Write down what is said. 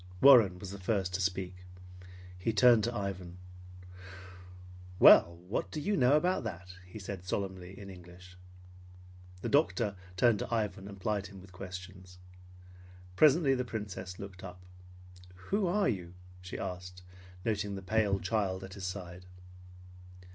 Warren was the first to speak. He turned to Ivan. "Well, what do you know about that?" he said solemnly in English. The doctor turned to Ivan and plied him with questions. Presently the Princess looked up. "Who are you?" she asked, noting the pale child at his side.